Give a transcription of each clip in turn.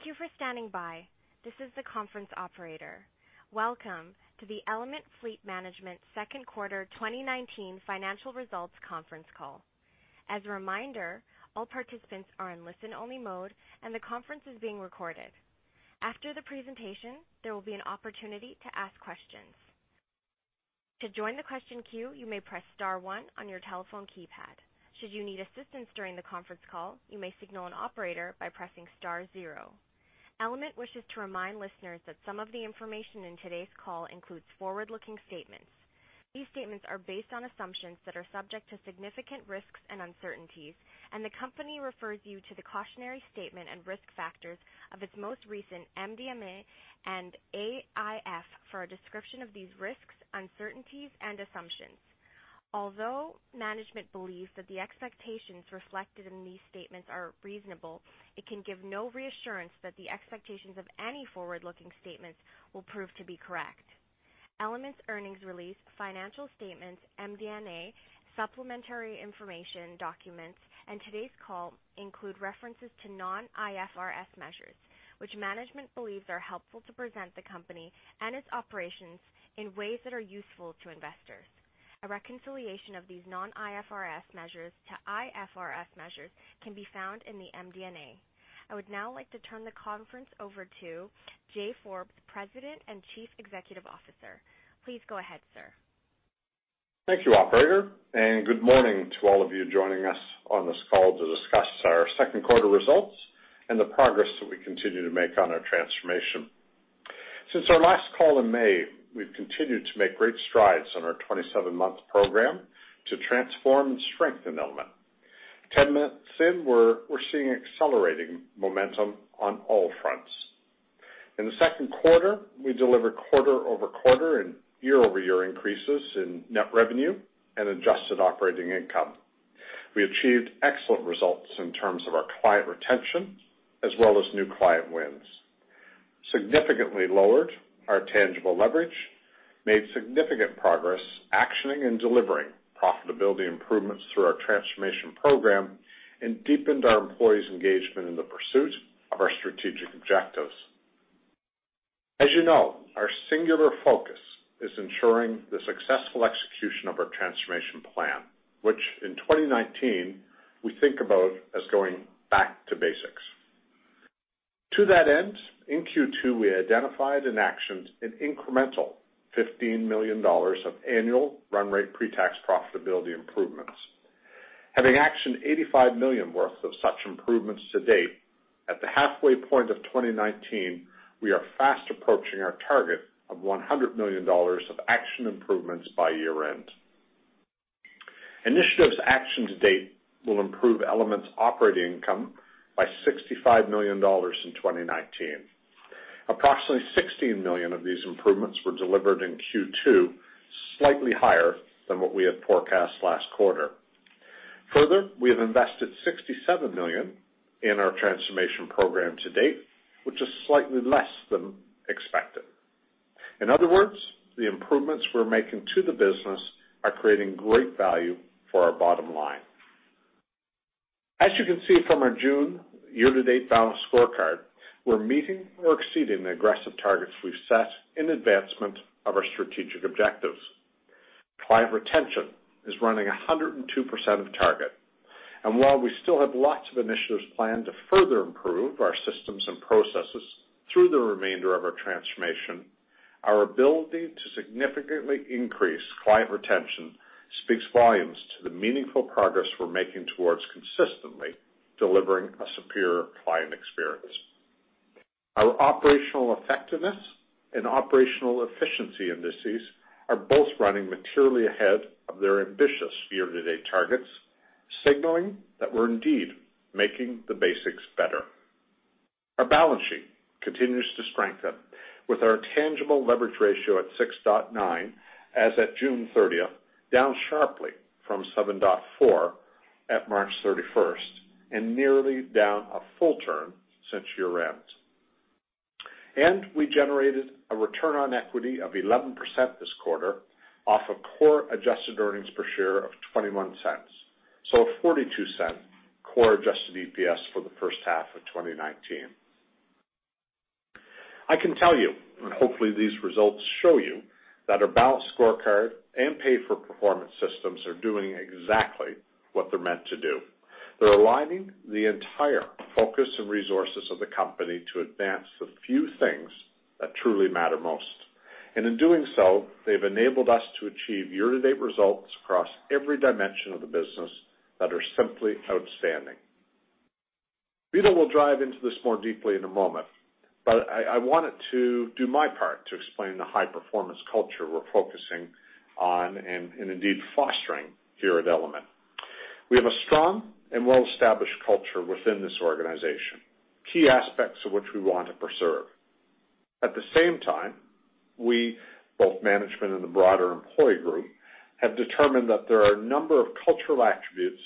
Thank you for standing by. This is the conference operator. Welcome to the Element Fleet Management second quarter 2019 financial results conference call. As a reminder, all participants are in listen-only mode, and the conference is being recorded. After the presentation, there will be an opportunity to ask questions. To join the question queue, you may press star one on your telephone keypad. Should you need assistance during the conference call, you may signal an operator by pressing star zero. Element wishes to remind listeners that some of the information in today's call includes forward-looking statements. These statements are based on assumptions that are subject to significant risks and uncertainties, and the company refers you to the cautionary statement and risk factors of its most recent MD&A and AIF for a description of these risks, uncertainties, and assumptions. Although management believes that the expectations reflected in these statements are reasonable, it can give no reassurance that the expectations of any forward-looking statements will prove to be correct. Element's earnings release, financial statements, MD&A, supplementary information documents, and today's call include references to non-IFRS measures, which management believes are helpful to present the company and its operations in ways that are useful to investors. A reconciliation of these non-IFRS measures to IFRS measures can be found in the MD&A. I would now like to turn the conference over to Jay Forbes, President and Chief Executive Officer. Please go ahead, sir. Thank you, operator. Good morning to all of you joining us on this call to discuss our second quarter results and the progress that we continue to make on our transformation. Since our last call in May, we've continued to make great strides on our 27-month program to transform and strengthen Element. 10 months in, we're seeing accelerating momentum on all fronts. In the second quarter, we delivered quarter-over-quarter and year-over-year increases in net revenue and adjusted operating income. We achieved excellent results in terms of our client retention, as well as new client wins, significantly lowered our tangible leverage, made significant progress actioning and delivering profitability improvements through our Transformation Program, and deepened our employees' engagement in the pursuit of our strategic objectives. As you know, our singular focus is ensuring the successful execution of our Transformation Plan, which in 2019 we think about as going back to basics. To that end, in Q2, we identified and actioned an incremental 15 million dollars of annual run rate pre-tax profitability improvements. Having actioned 85 million worth of such improvements to date, at the halfway point of 2019, we are fast approaching our target of 100 million dollars of action improvements by year-end. Initiatives actioned to date will improve Element's operating income by 65 million dollars in 2019. Approximately 16 million of these improvements were delivered in Q2, slightly higher than what we had forecast last quarter. Further, we have invested 67 million in our Transformation Program to date, which is slightly less than expected. In other words, the improvements we're making to the business are creating great value for our bottom line. As you can see from our June year-to-date Balanced Scorecard, we're meeting or exceeding the aggressive targets we've set in advancement of our strategic objectives. Client retention is running 102% of target. While we still have lots of initiatives planned to further improve our systems and processes through the remainder of our transformation, our ability to significantly increase client retention speaks volumes to the meaningful progress we're making towards consistently delivering a superior client experience. Our operational effectiveness and operational efficiency indices are both running materially ahead of their ambitious year-to-date targets, signaling that we're indeed making the basics better. Our balance sheet continues to strengthen with our tangible leverage ratio at 6.9 as at June 30th, down sharply from 7.4 at March 31st and nearly down a full turn since year-end. We generated a return on equity of 11% this quarter off of core adjusted earnings per share of 0.21. A 0.42 core adjusted EPS for the first half of 2019. I can tell you, and hopefully these results show you, that our Balanced Scorecard and pay-for-performance systems are doing exactly what they're meant to do. They're aligning the entire focus and resources of the company to advance the few things that truly matter most. In doing so, they've enabled us to achieve year-to-date results across every dimension of the business that are simply outstanding. Vito will dive into this more deeply in a moment, but I wanted to do my part to explain the high-performance culture we're focusing on and indeed fostering here at Element. We have a strong and well-established culture within this organization, key aspects of which we want to preserve. At the same time, we, both management and the broader employee group, have determined that there are a number of cultural attributes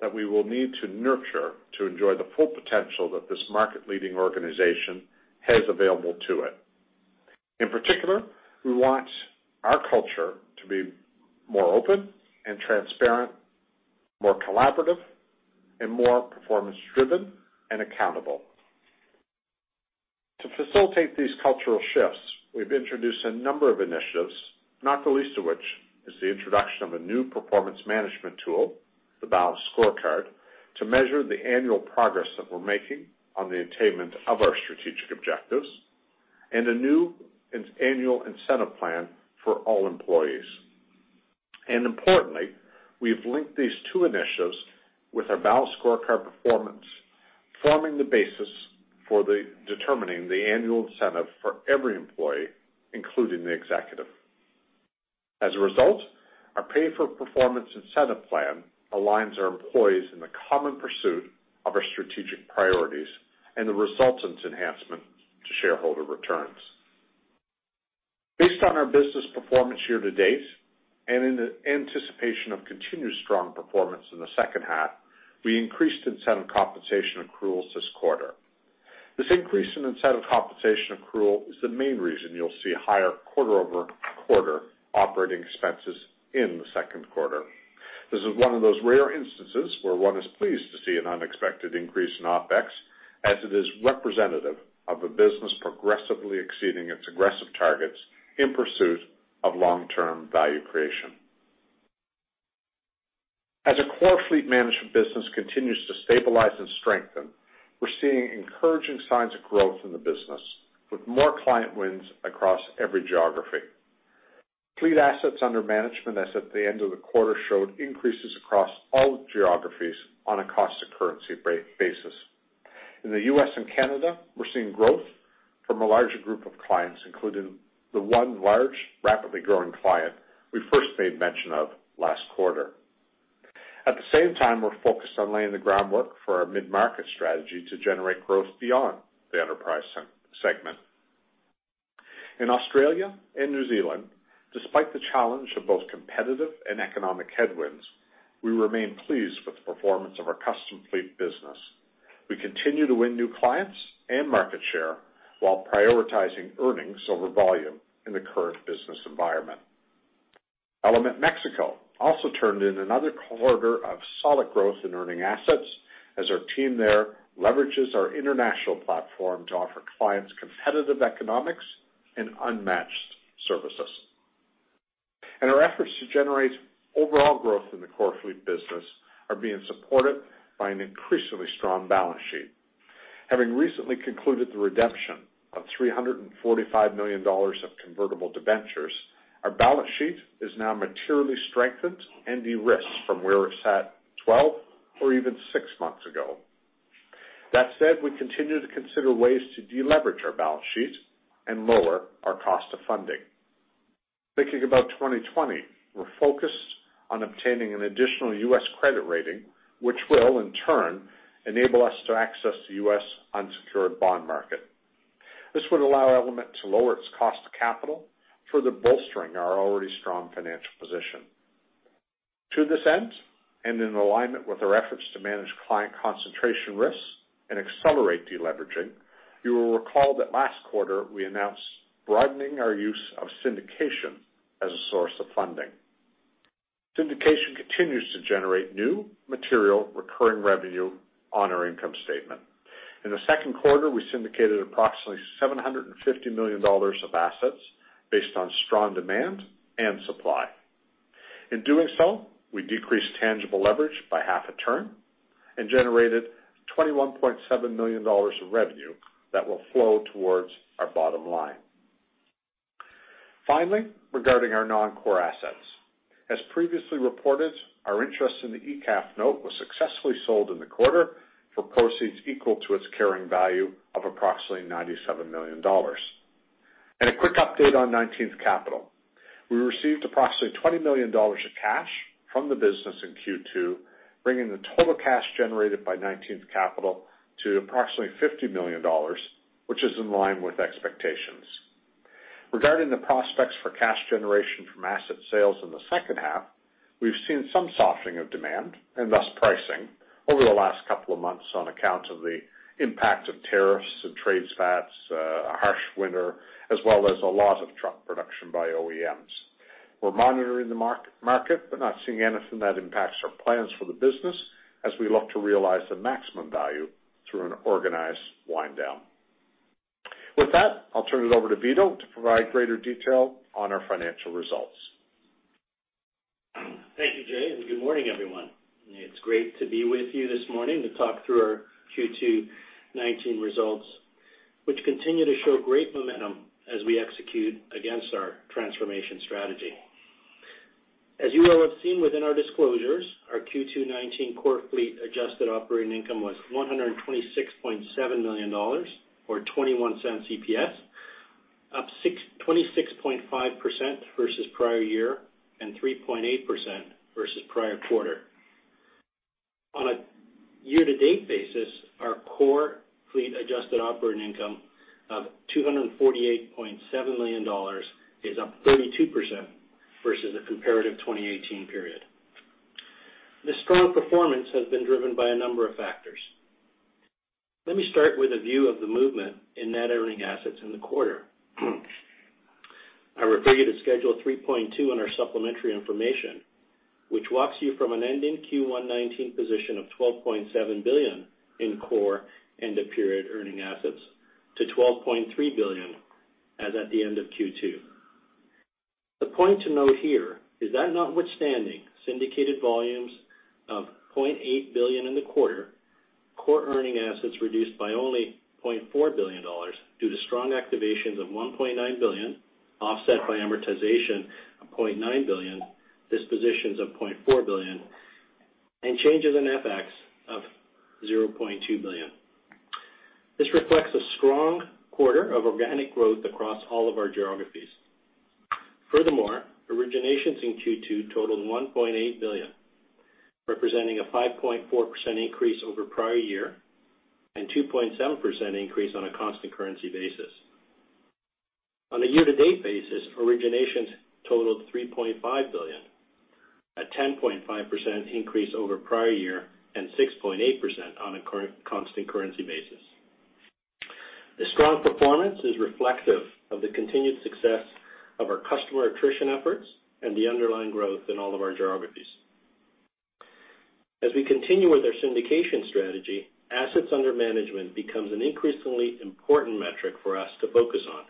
that we will need to nurture to enjoy the full potential that this market-leading organization has available to it. In particular, we want our culture to be more open and transparent, more collaborative, and more performance driven and accountable. To facilitate these cultural shifts, we've introduced a number of initiatives, not the least of which is the introduction of a new performance management tool, the Balanced Scorecard, to measure the annual progress that we're making on the attainment of our strategic objectives, and a new annual incentive plan for all employees. Importantly, we've linked these two initiatives with our Balanced Scorecard performance, forming the basis for determining the annual incentive for every employee, including the executive. As a result, our pay for performance incentive plan aligns our employees in the common pursuit of our strategic priorities and the resultant enhancement to shareholder returns. Based on our business performance year to date, and in anticipation of continued strong performance in the second half, we increased incentive compensation accruals this quarter. This increase in incentive compensation accrual is the main reason you'll see higher quarter-over-quarter operating expenses in the second quarter. This is one of those rare instances where one is pleased to see an unexpected increase in OpEx, as it is representative of a business progressively exceeding its aggressive targets in pursuit of long-term value creation. As our core fleet management business continues to stabilize and strengthen, we're seeing encouraging signs of growth in the business with more client wins across every geography. Fleet assets under management as at the end of the quarter showed increases across all geographies on a cost to currency basis. In the U.S. and Canada, we're seeing growth from a larger group of clients, including the one large, rapidly growing client we first made mention of last quarter. At the same time, we're focused on laying the groundwork for our mid-market strategy to generate growth beyond the enterprise segment. In Australia and New Zealand, despite the challenge of both competitive and economic headwinds, we remain pleased with the performance of our Custom Fleet business. We continue to win new clients and market share while prioritizing earnings over volume in the current business environment. Element Mexico also turned in another quarter of solid growth in earning assets as our team there leverages our international platform to offer clients competitive economics and unmatched services. Our efforts to generate overall growth in the core fleet business are being supported by an increasingly strong balance sheet. Having recently concluded the redemption of 345 million dollars of convertible debentures, our balance sheet is now materially strengthened and de-risked from where it sat 12 or even six months ago. That said, we continue to consider ways to deleverage our balance sheet and lower our cost of funding. Thinking about 2020, we're focused on obtaining an additional U.S. credit rating, which will in turn enable us to access the U.S. unsecured bond market. This would allow Element to lower its cost of capital, further bolstering our already strong financial position. To this end, and in alignment with our efforts to manage client concentration risks and accelerate deleveraging, you will recall that last quarter we announced broadening our use of syndication as a source of funding. Syndication continues to generate new material recurring revenue on our income statement. In the second quarter, we syndicated approximately 750 million dollars of assets based on strong demand and supply. In doing so, we decreased tangible leverage by half a turn and generated 21.7 million dollars of revenue that will flow towards our bottom line. Finally, regarding our non-core assets, as previously reported, our interest in the ECAF note was successfully sold in the quarter for proceeds equal to its carrying value of approximately 97 million dollars. A quick update on 19th Capital. We received approximately 20 million dollars of cash from the business in Q2, bringing the total cash generated by 19th Capital to approximately 50 million dollars, which is in line with expectations. Regarding the prospects for cash generation from asset sales in the second half, we've seen some softening of demand and thus pricing over the last couple of months on account of the impact of tariffs and trade spats, a harsh winter, as well as a lot of truck production by OEMs. We're monitoring the market, but not seeing anything that impacts our plans for the business as we look to realize the maximum value through an organized wind down. I'll turn it over to Vito to provide greater detail on our financial results. Thank you, Jay, and good morning, everyone. It's great to be with you this morning to talk through our Q2 2019 results, which continue to show great momentum as we execute against our transformation strategy. As you will have seen within our disclosures, our Q2 2019 core fleet adjusted operating income was 126.7 million dollars, or 0.21 EPS, up 26.5% versus prior year and 3.8% versus prior quarter. On a year-to-date basis, our core fleet adjusted operating income of 248.7 million dollars is up 32% versus the comparative 2018 period. The strong performance has been driven by a number of factors. Let me start with a view of the movement in net earning assets in the quarter. I refer you to Schedule 3.2 in our supplementary information, which walks you from an ending Q1 2019 position of CAD 12.7 billion in core end-of-period earning assets to CAD 12.3 billion as at the end of Q2. The point to note here is that notwithstanding syndicated volumes of 0.8 billion in the quarter, core earning assets reduced by only 0.4 billion dollars due to strong activations of 1.9 billion, offset by amortization of 0.9 billion, dispositions of 0.4 billion, and changes in FX of 0.2 billion. This reflects a strong quarter of organic growth across all of our geographies. Originations in Q2 totaled 1.8 billion, representing a 5.4% increase over prior year and 2.7% increase on a constant currency basis. On a year-to-date basis, originations totaled 3.5 billion, a 10.5% increase over prior year and 6.8% on a constant currency basis. The strong performance is reflective of the continued success of our customer attrition efforts and the underlying growth in all of our geographies. As we continue with our syndication strategy, assets under management becomes an increasingly important metric for us to focus on.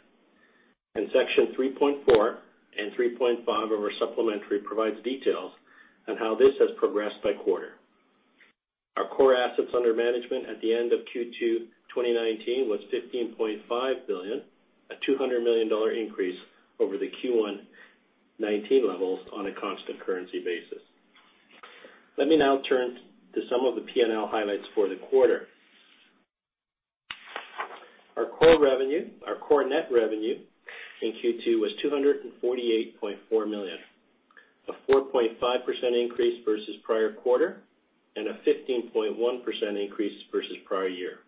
In Section 3.4 and 3.5 of our supplementary provides details on how this has progressed by quarter. Our core assets under management at the end of Q2 2019 was CAD 15.5 billion, a CAD 200 million increase over the Q1 2019 levels on a constant currency basis. Let me now turn to some of the P&L highlights for the quarter. Our core net revenue in Q2 was 248.4 million, a 4.5% increase versus prior quarter and a 15.1% increase versus prior year.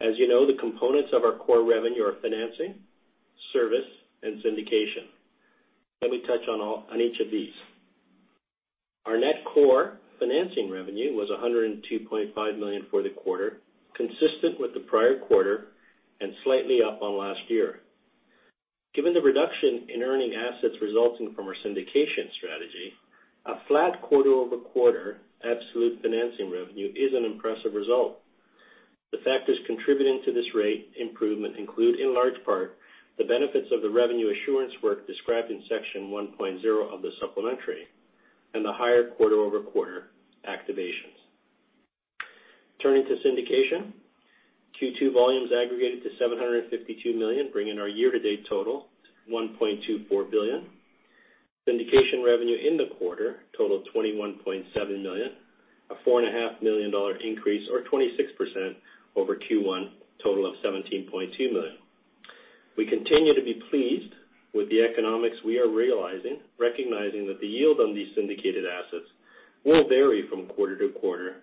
As you know, the components of our core revenue are financing, service, and syndication. Let me touch on each of these. Our net core financing revenue was 102.5 million for the quarter, consistent with the prior quarter and slightly up on last year. Given the reduction in earning assets resulting from our syndication strategy, a flat quarter-over-quarter absolute financing revenue is an impressive result. The factors contributing to this rate improvement include, in large part, the benefits of the revenue assurance work described in Section 1.0 of the supplementary and the higher quarter-over-quarter activations. Turning to syndication, Q2 volumes aggregated to 752 million, bringing our year-to-date total to 1.24 billion. Syndication revenue in the quarter totaled 21.7 million, a 4.5 million dollar increase or 26% over Q1 total of 17.2 million. We continue to be pleased with the economics we are realizing, recognizing that the yield on these syndicated assets will vary from quarter-to-quarter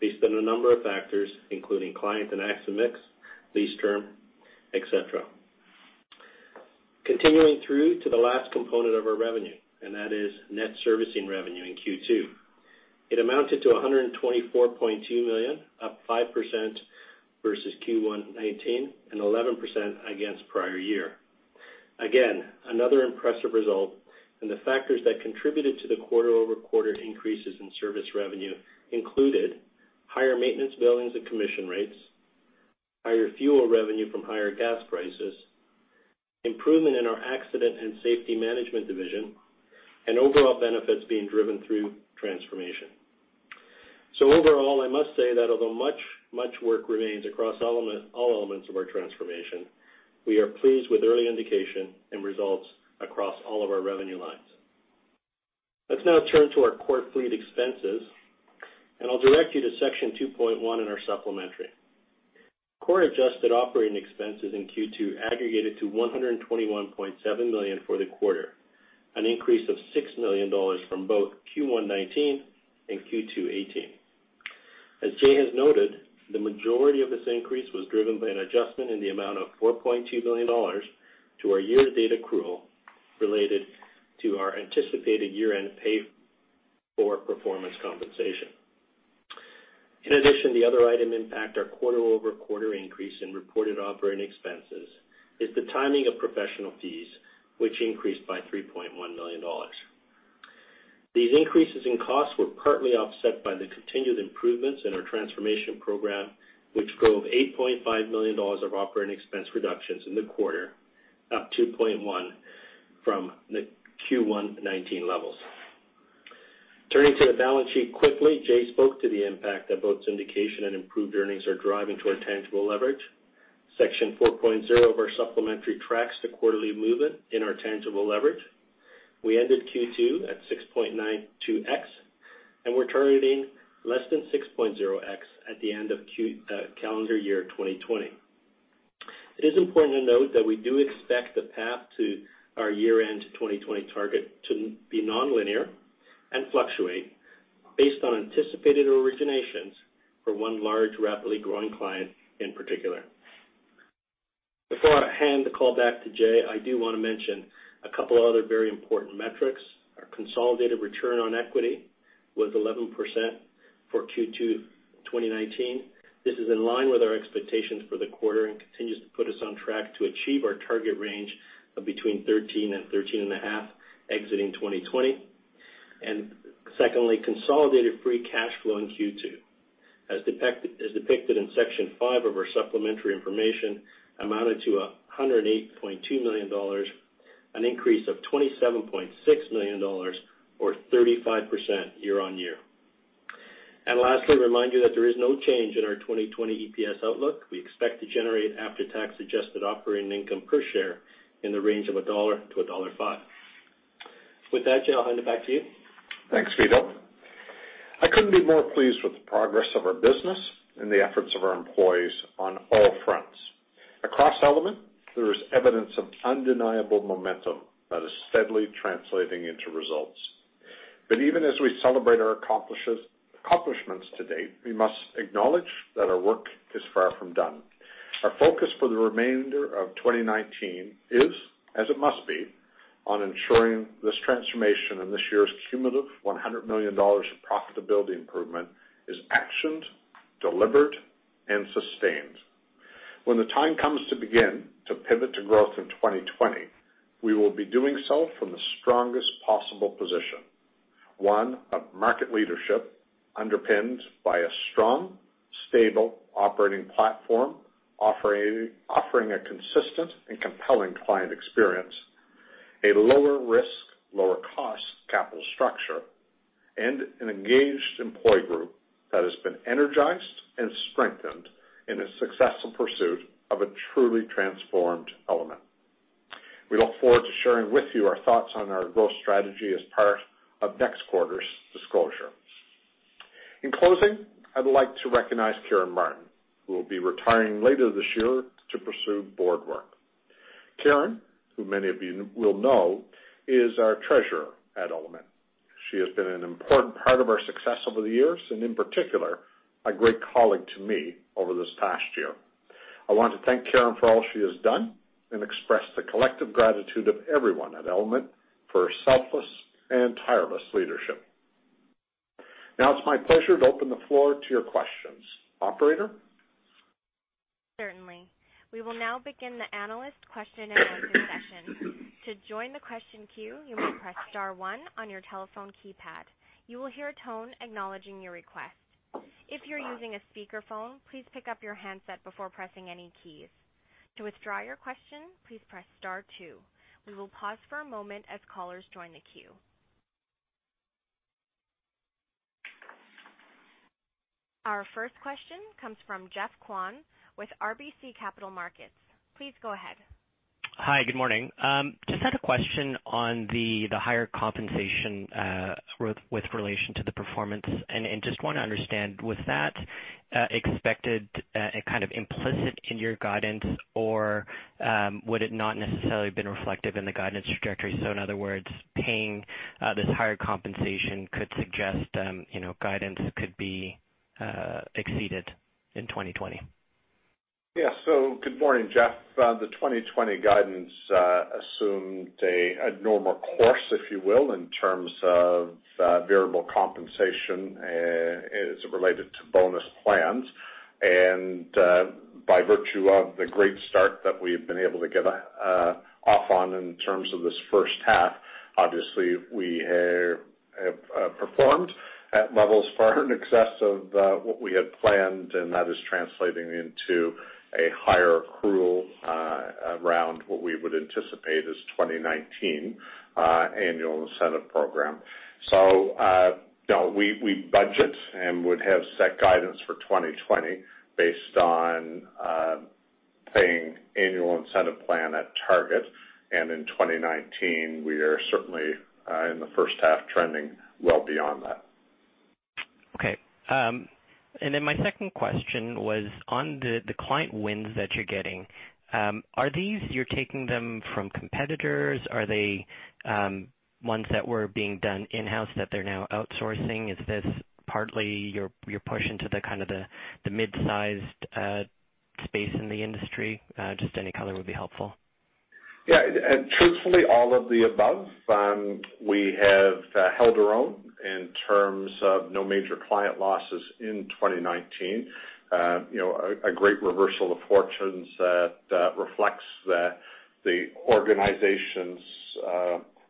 based on a number of factors, including client and asset mix, lease term, et cetera. Continuing through to the last component of our revenue, that is net servicing revenue in Q2. It amounted to CAD 124.2 million, up 5% versus Q1 2019 and 11% against prior year. Again, another impressive result, the factors that contributed to the quarter-over-quarter increases in service revenue included higher maintenance billings and commission rates, higher fuel revenue from higher gas prices, improvement in our accident and safety management division, and overall benefits being driven through transformation. Overall, I must say that although much work remains across all elements of our transformation, we are pleased with early indication and results across all of our revenue lines. Let's now turn to our core fleet expenses, I'll direct you to Section 2.1 in our supplementary. Core adjusted operating expenses in Q2 aggregated to CAD 121.7 million for the quarter, an increase of CAD 6 million from both Q1 2019 and Q2 2018. As Jay has noted, the majority of this increase was driven by an adjustment in the amount of 4.2 million dollars to our year-to-date accrual related to our anticipated year-end pay for performance compensation. In addition, the other item impact our quarter-over-quarter increase in reported operating expenses is the timing of professional fees, which increased by 3.1 million dollars. These increases in costs were partly offset by the continued improvements in our transformation program, which drove 8.5 million dollars of operating expense reductions in the quarter, up 2.1% from the Q1 2019 levels. Turning to the balance sheet quickly, Jay spoke to the impact that both syndication and improved earnings are driving to our tangible leverage. Section 4.0 of our supplementary tracks the quarterly movement in our tangible leverage. We ended Q2 at 6.92x, and we're targeting less than 6.0x at the end of calendar year 2020. It is important to note that we do expect the path to our year-end 2020 target to be nonlinear and fluctuate based on anticipated originations for one large, rapidly growing client in particular. Before I hand the call back to Jay, I do want to mention a couple other very important metrics. Our consolidated return on equity was 11% for Q2 2019. This is in line with our expectations for the quarter and continues to put us on track to achieve our target range of between 13 and 13.5 exiting 2020. Secondly, consolidated free cash flow in Q2. As depicted in Section 5 of our supplementary information, amounted to 108.2 million dollars, an increase of 27.6 million dollars, or 35% year-on-year. Lastly, remind you that there is no change in our 2020 EPS outlook. We expect to generate after-tax adjusted operating income per share in the range of 1.00-1.05 dollar. With that, Jay, I'll hand it back to you. Thanks, Vito. I couldn't be more pleased with the progress of our business and the efforts of our employees on all fronts. Across Element, there is evidence of undeniable momentum that is steadily translating into results. Even as we celebrate our accomplishments to date, we must acknowledge that our work is far from done. Our focus for the remainder of 2019 is, as it must be, on ensuring this transformation and this year's cumulative 100 million dollars of profitability improvement is actioned, delivered, and sustained. When the time comes to begin to pivot to growth in 2020, we will be doing so from the strongest possible position. One of market leadership underpinned by a strong, stable operating platform, offering a consistent and compelling client experience, a lower risk, lower cost capital structure, and an engaged employee group that has been energized and strengthened in its successful pursuit of a truly transformed Element. We look forward to sharing with you our thoughts on our growth strategy as part of next quarter's disclosure. In closing, I would like to recognize Karen Martin, who will be retiring later this year to pursue board work. Karen, who many of you will know, is our Treasurer at Element. She has been an important part of our success over the years, and in particular, a great colleague to me over this past year. I want to thank Karen for all she has done and express the collective gratitude of everyone at Element for her selfless and tireless leadership. Now it's my pleasure to open the floor to your questions. Operator? Certainly. We will now begin the analyst question and answer session. To join the question queue, you may press star one on your telephone keypad. You will hear a tone acknowledging your request. If you're using a speakerphone, please pick up your handset before pressing any keys. To withdraw your question, please press star two. We will pause for a moment as callers join the queue. Our first question comes from Geoffrey Kwan with RBC Capital Markets. Please go ahead. Hi, good morning. Just had a question on the higher compensation with relation to the performance. Just want to understand, was that expected kind of implicit in your guidance, or would it not necessarily been reflective in the guidance trajectory? In other words, paying this higher compensation could suggest guidance could be exceeded in 2020. Yeah. Good morning, Jeff. The 2020 guidance assumed a normal course, if you will, in terms of variable compensation as related to bonus plans. By virtue of the great start that we've been able to get off on in terms of this first half, obviously we have performed at levels far in excess of what we had planned, and that is translating into a higher accrual around what we would anticipate as 2019 annual incentive program. We budget and would have set guidance for 2020 based on paying annual incentive plan at target. In 2019, we are certainly in the first half trending well beyond that. Okay. My second question was on the client wins that you're getting. Are these, you're taking them from competitors? Are they ones that were being done in-house that they're now outsourcing? Is this partly your push into the mid-sized space in the industry? Just any color would be helpful. Yeah. Truthfully, all of the above. We have held our own in terms of no major client losses in 2019. A great reversal of fortunes that reflects the organization's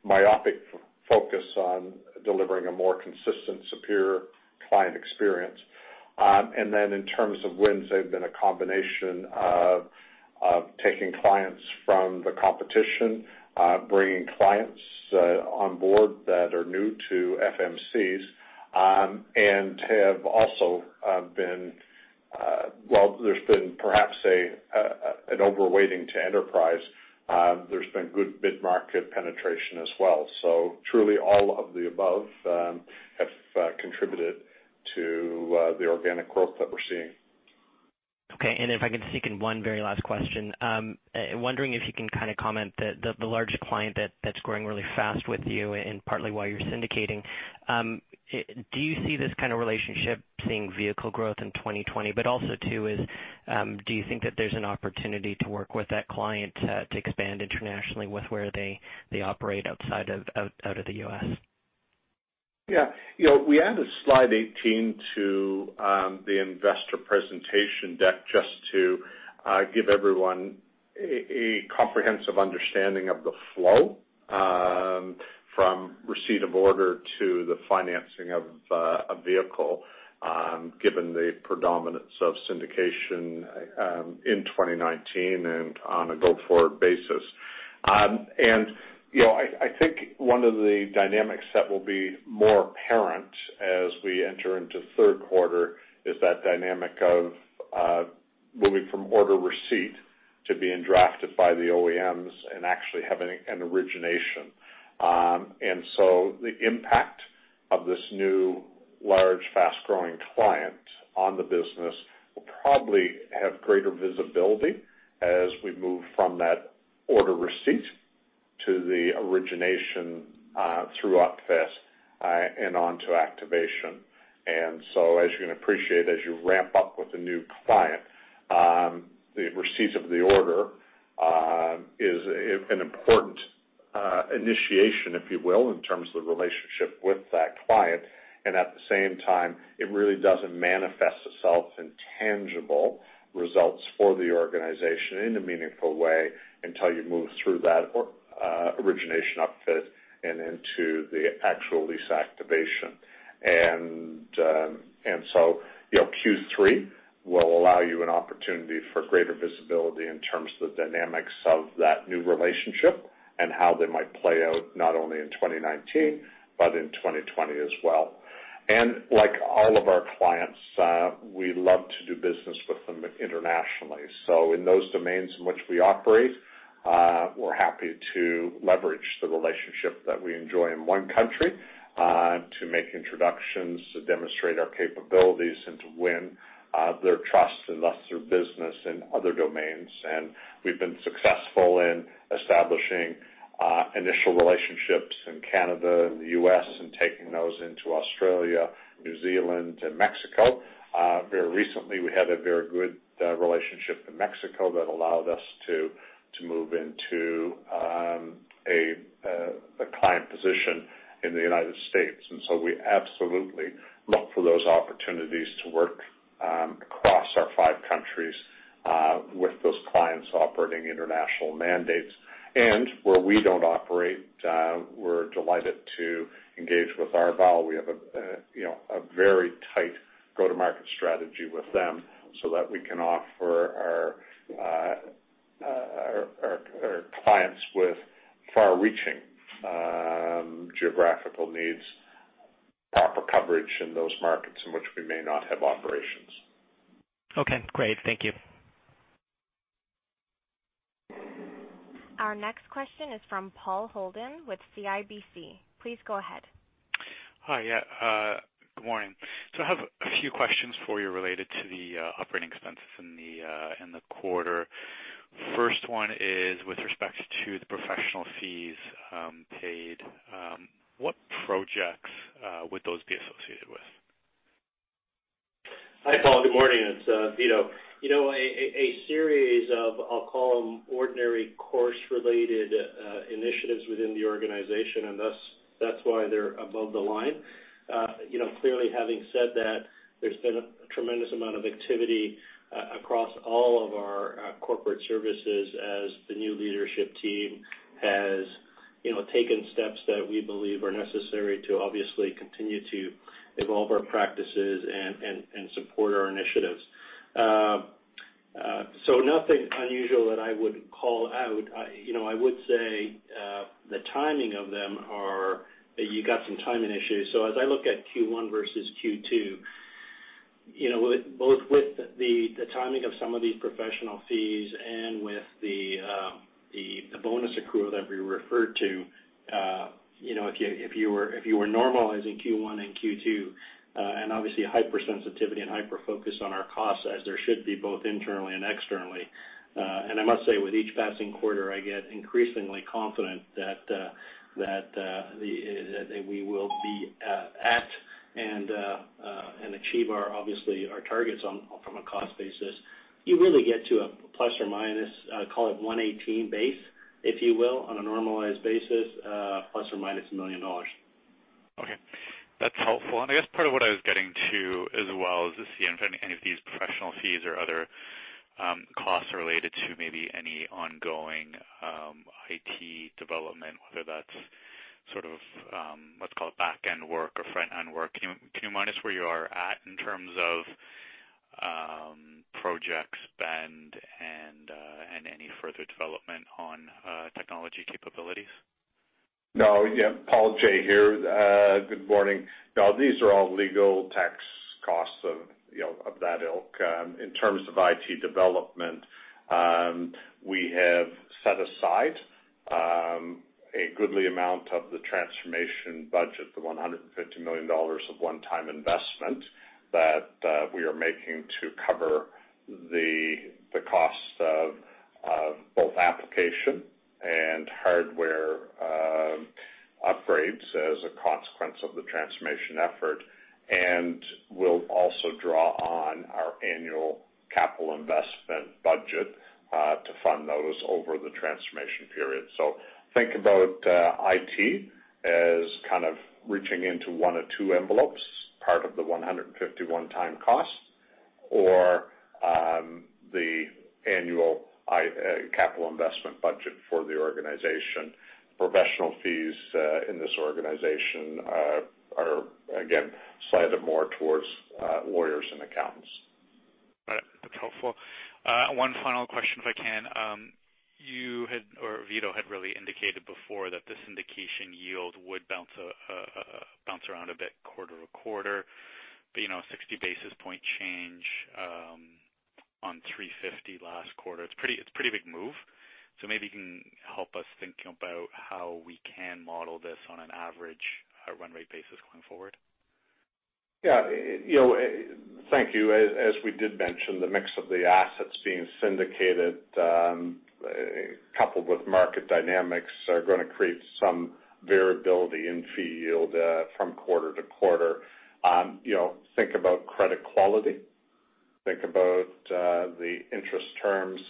myopic focus on delivering a more consistent, superior client experience. In terms of wins, they've been a combination of taking clients from the competition, bringing clients on board that are new to FMCs, and there's been perhaps an overweighting to enterprise. There's been good mid-market penetration as well. Truly all of the above have contributed to the organic growth that we're seeing. Okay. If I can sneak in one very last question. I'm wondering if you can comment that the larger client that's growing really fast with you and partly why you're syndicating, do you see this kind of relationship seeing vehicle growth in 2020, but also too is, do you think that there's an opportunity to work with that client, to expand internationally with where they operate outside of the U.S.? Yeah. We added slide 18 to the investor presentation deck just to give everyone a comprehensive understanding of the flow from receipt of order to the financing of a vehicle, given the predominance of syndication in 2019 and on a go-forward basis. I think one of the dynamics that will be more apparent as we enter into the third quarter is that dynamic of moving from order receipt to being drafted by the OEMs and actually having an origination. The impact of this new large, fast-growing client on the business will probably have greater visibility as we move from that order receipt to the origination throughout this, and onto activation. As you can appreciate, as you ramp up with a new client, the receipts of the order is an important initiation, if you will, in terms of the relationship with that client. At the same time, it really doesn't manifest itself in tangible results for the organization in a meaningful way until you move through that origination upfit and into the actual lease activation. Q3 will allow you an opportunity for greater visibility in terms of the dynamics of that new relationship and how they might play out not only in 2019 but in 2020 as well. Like all of our clients, we love to do business with them internationally. In those domains in which we operate, we're happy to leverage the relationship that we enjoy in one country, to make introductions, to demonstrate our capabilities, and to win their trust and thus their business in other domains. We've been successful in establishing initial relationships in Canada and the U.S. and taking those into Australia, New Zealand, and Mexico. Very recently, we had a very good relationship in Mexico that allowed us to move into a client position in the United States. We absolutely look for those opportunities to work across our five countries, with those clients operating international mandates. Where we don't operate, we're delighted to engage with Arval. We have a very tight go-to-market strategy with them so that we can offer our clients with far-reaching geographical needs, proper coverage in those markets in which we may not have operations. Okay, great. Thank you. Our next question is from Paul Holden with CIBC. Please go ahead. Hi. Good morning. I have a few questions for you related to the operating expenses in the quarter. First one is with respect to the professional fees paid. What projects would those be associated with? Hi, Paul. Good morning. It's Vito. A series of, I'll call them ordinary course-related initiatives within the organization, and thus that's why they're above the line. Clearly having said that, there's been a tremendous amount of activity across all of our corporate services as the new leadership team has taken steps that we believe are necessary to obviously continue to evolve our practices and support our initiatives. Nothing unusual that I would call out. I would say the timing of them are that you got some timing issues. As I look at Q1 versus Q2, both with the timing of some of these professional fees and with the bonus accrual that we referred to, if you were normalizing Q1 and Q2, and obviously hypersensitivity and hyper-focus on our costs as there should be, both internally and externally. I must say, with each passing quarter, I get increasingly confident that we will be at and achieve our, obviously, our targets from a cost basis. You really get to a ±, call it 118 base, if you will, on a normalized basis, ±1 million dollars. Okay. That's helpful. I guess part of what I was getting to as well is to see if any of these professional fees or other costs are related to maybe any ongoing IT development, whether that's sort of, let's call it back-end work or front-end work. Can you remind us where you are at in terms of project spend and any further development on technology capabilities? No. Paul, Jay here. Good morning. No, these are all legal tax costs of that ilk. In terms of IT development, we have set aside a goodly amount of the transformation budget, the 150 million dollars of one-time investment that we are making to cover the cost of both application and hardware upgrades as a consequence of the transformation effort. We'll also draw on our annual capital investment budget to fund those over the transformation period. Think about IT as kind of reaching into one of two envelopes, part of the 150 one-time cost or the annual capital investment budget for the organization. Professional fees in this organization are, again, slanted more towards lawyers and accountants. Right. That's helpful. One final question, if I can. You had, or Vito had really indicated before that the syndication yield would bounce around a bit quarter-to-quarter, but a 60 basis point change on 350 last quarter, it's a pretty big move. Maybe you can help us think about how we can model this on an average run rate basis going forward. Yeah. Thank you. As we did mention, the mix of the assets being syndicated, coupled with market dynamics, are going to create some variability in fee yield from quarter to quarter. Think about credit quality, think about the interest terms,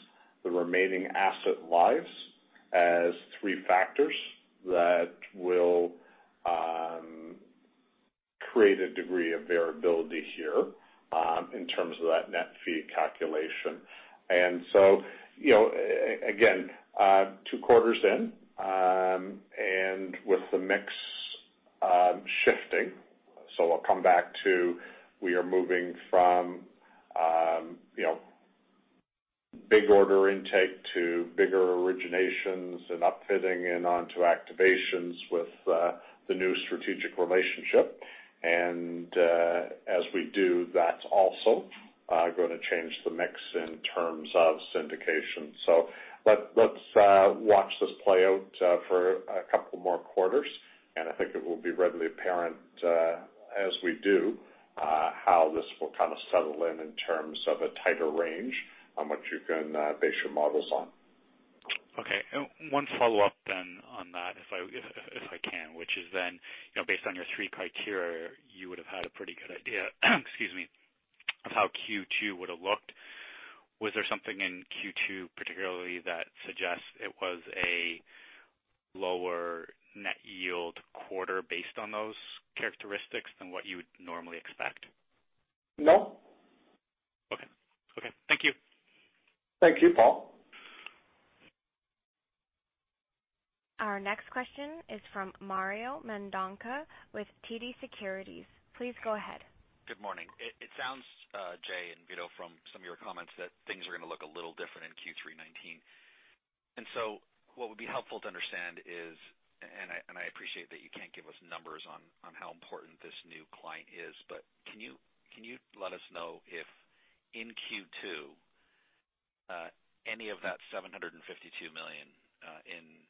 the remaining asset lives as three factors that will create a degree of variability here in terms of that net fee calculation. Again, two quarters in, and with the mix shifting. I'll come back to, we are moving from big order intake to bigger originations and upfitting and onto activations with the new strategic relationship. As we do, that's also going to change the mix in terms of syndication. Let's watch this play out for a couple more quarters, and I think it will be readily apparent as we do how this will kind of settle in terms of a tighter range on which you can base your models on. Okay. One follow-up then on that, if I can, which is then based on your three criteria, you would have had a pretty good idea, excuse me, of how Q2 would have looked. Was there something in Q2 particularly that suggests it was a lower net yield quarter based on those characteristics than what you would normally expect? No. Okay. Thank you. Thank you, Paul. Our next question is from Mario Mendonca with TD Securities. Please go ahead. Good morning. It sounds, Jay and Vito, from some of your comments, that things are going to look a little different in Q3 2019. What would be helpful to understand is, and I appreciate that you can't give us numbers on how important this new client is, but can you let us know if in Q2 any of that 752 million in syndications,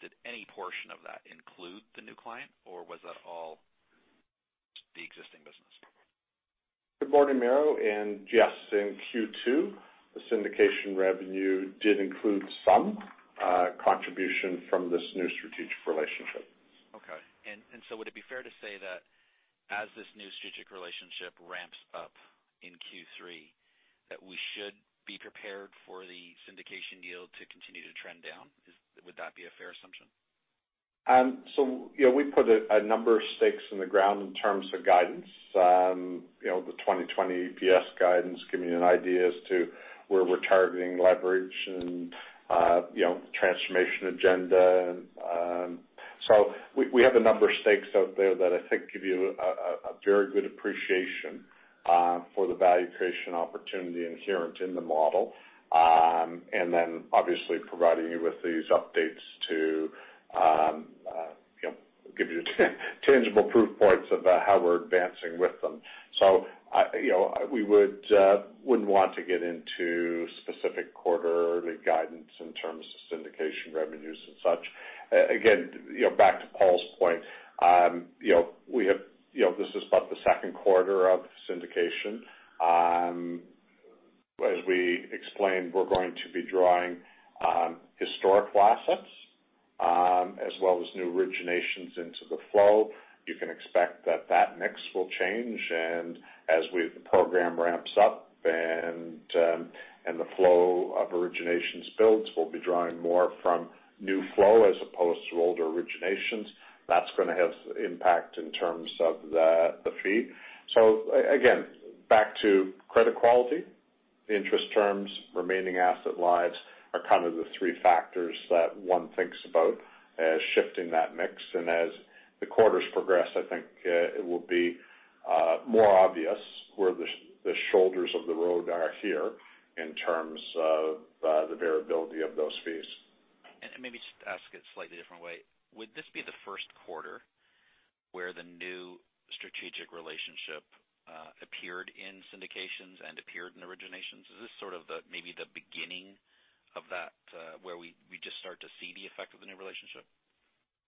did any portion of that include the new client, or was that all the existing business? Good morning, Mario, yes, in Q2, the syndication revenue did include some contribution from this new strategic relationship. Would it be fair to say that as this new strategic relationship ramps up in Q3, that we should be prepared for the syndication yield to continue to trend down? Would that be a fair assumption? We put a number of stakes in the ground in terms of guidance. The 2020 EPS guidance giving you an idea as to where we're targeting leverage and transformation agenda. We have a number of stakes out there that I think give you a very good appreciation for the value creation opportunity inherent in the model. Obviously providing you with these updates to give you tangible proof points about how we're advancing with them. We wouldn't want to get into specific quarterly guidance in terms of syndication revenues and such. Again, back to Paul's point. This is but the second quarter of syndication. As we explained, we're going to be drawing on historical assets as well as new originations into the flow. You can expect that that mix will change, and as the program ramps up and the flow of originations builds, we'll be drawing more from new flow as opposed to older originations. That's going to have impact in terms of the fee. Again, back to credit quality, the interest terms, remaining asset lives are kind of the three factors that one thinks about as shifting that mix. As the quarters progress, I think it will be more obvious where the shoulders of the road are here in terms of the variability of those fees. Maybe just ask it a slightly different way. Would this be the first quarter where the new strategic relationship appeared in syndications and appeared in originations? Is this sort of maybe the beginning of that where we just start to see the effect of the new relationship?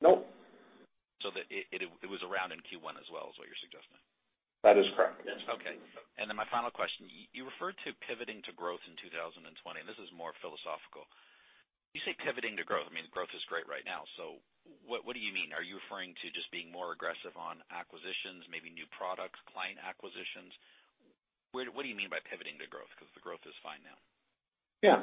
No. It was around in Q1 as well, is what you're suggesting. That is correct. Okay. My final question, you referred to pivoting to growth in 2020, and this is more philosophical. You say pivoting to growth. Growth is great right now. What do you mean? Are you referring to just being more aggressive on acquisitions, maybe new products, client acquisitions? What do you mean by pivoting to growth? The growth is fine now. Yeah.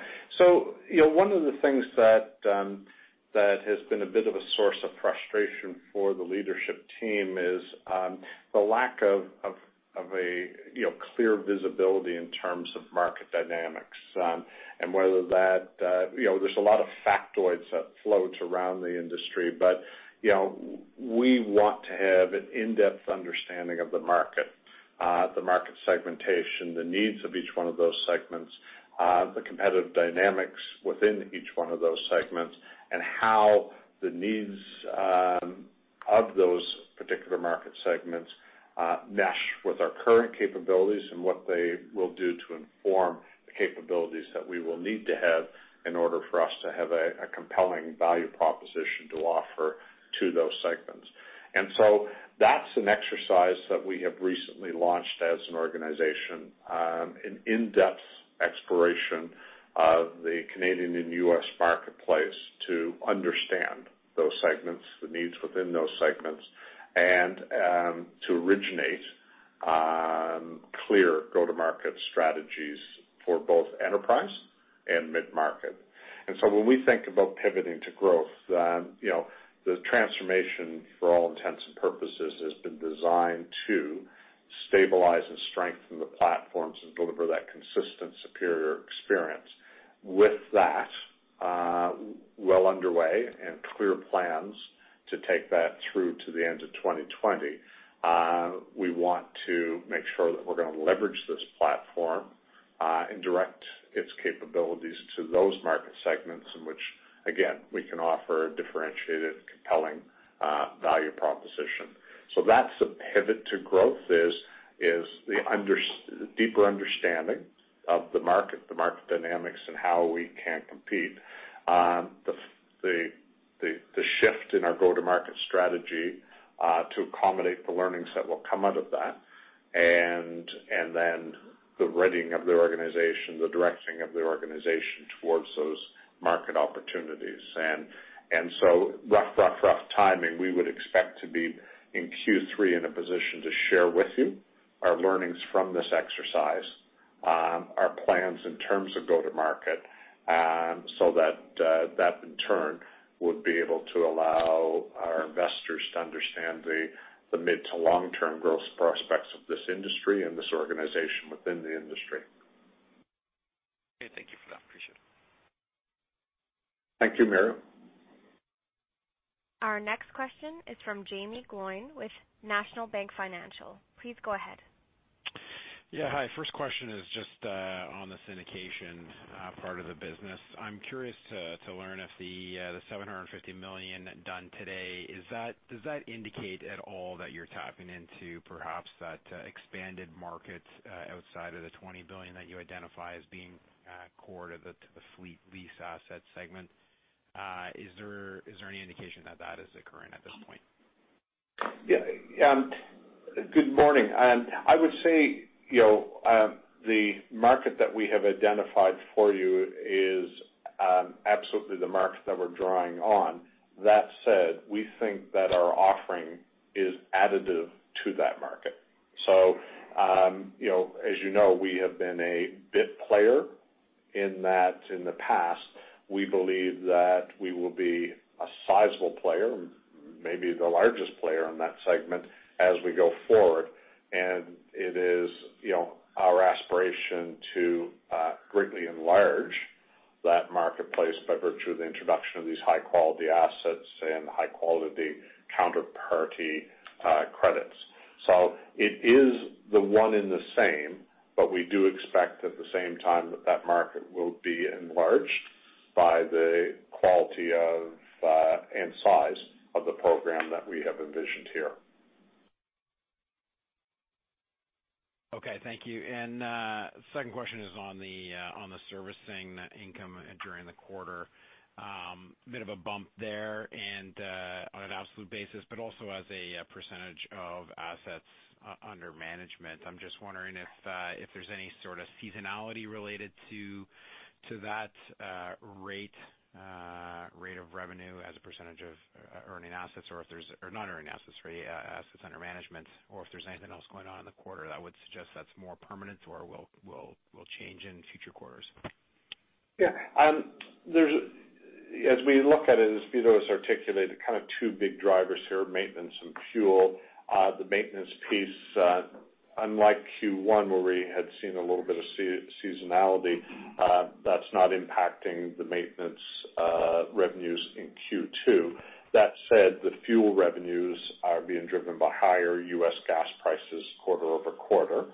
One of the things that has been a bit of a source of frustration for the leadership team is the lack of a clear visibility in terms of market dynamics. There's a lot of factoids that float around the industry. We want to have an in-depth understanding of the market, the market segmentation, the needs of each one of those segments, the competitive dynamics within each one of those segments, and how the needs of those particular market segments mesh with our current capabilities and what they will do to inform the capabilities that we will need to have in order for us to have a compelling value proposition to offer to those segments. That's an exercise that we have recently launched as an organization, an in-depth exploration of the Canadian and U.S. marketplace to understand those segments, the needs within those segments, and to originate clear go-to-market strategies for both enterprise and mid-market. When we think about pivoting to growth, the transformation, for all intents and purposes, has been designed to stabilize and strengthen the platforms and deliver that consistent, superior experience. With that well underway and clear plans to take that through to the end of 2020, we want to make sure that we're going to leverage this platform, and direct its capabilities to those market segments in which, again, we can offer differentiated, compelling value proposition. That's the pivot to growth, is the deeper understanding of the market, the market dynamics, and how we can compete. The shift in our go-to-market strategy to accommodate the learnings that will come out of that, and then the readying of the organization, the directing of the organization towards those market opportunities. Rough timing, we would expect to be in Q3 in a position to share with you our learnings from this exercise, our plans in terms of go to market, so that in turn would be able to allow our investors to understand the mid to long-term growth prospects of this industry and this organization within the industry. Okay. Thank you for that. Appreciate it. Thank you, Mario. Our next question is from Jaeme Gloyn with National Bank Financial. Please go ahead. Yeah. Hi. First question is just on the syndication part of the business. I'm curious to learn if the 750 million done today, does that indicate at all that you're tapping into perhaps that expanded market outside of the 20 billion that you identify as being core to the fleet lease asset segment? Is there any indication that that is occurring at this point? Good morning. I would say, the market that we have identified for you is absolutely the market that we're drawing on. That said, we think that our offering is additive to that market. As you know, we have been a bit player in that in the past. We believe that we will be a sizable player, maybe the largest player in that segment as we go forward. It is our aspiration to greatly enlarge that marketplace by virtue of the introduction of these high-quality assets and high-quality counterparty credits. It is the one and the same, but we do expect at the same time that that market will be enlarged by the quality and size of the program that we have envisioned here. Okay, thank you. Second question is on the servicing income during the quarter. Bit of a bump there and on an absolute basis, but also as a percentage of assets under management. I'm just wondering if there's any sort of seasonality related to that rate of revenue as a percentage of earning assets or if there's Not earning assets, sorry, assets under management, or if there's anything else going on in the quarter that would suggest that's more permanent or will change in future quarters. Yeah. As we look at it, as Vito has articulated, kind of two big drivers here, maintenance and fuel. The maintenance piece, unlike Q1 where we had seen a little bit of sea seasonality, that's not impacting the maintenance revenues in Q2. That said, the fuel revenues are being driven by higher U.S. gas prices quarter-over-quarter.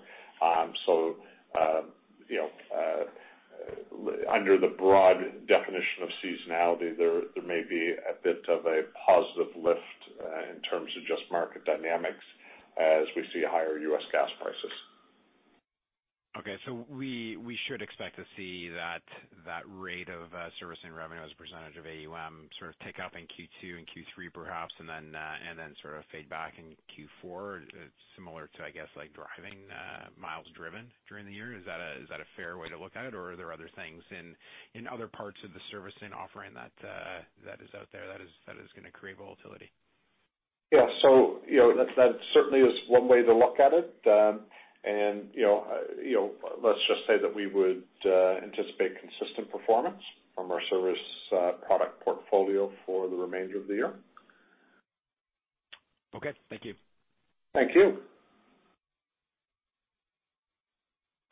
You know, under the broad definition of seasonality, there may be a bit of a positive lift in terms of just market dynamics as we see higher U.S. gas prices. Okay. We should expect to see that rate of servicing revenue as a percentage of AUM sort of tick up in Q2 and Q3 perhaps, and then sort of fade back in Q4, similar to, I guess, like driving miles driven during the year. Is that a fair way to look at it, or are there other things in other parts of the servicing offering that is out there that is going to create volatility? Yeah. That certainly is one way to look at it. Let's just say that we would anticipate consistent performance from our service product portfolio for the remainder of the year. Okay. Thank you. Thank you.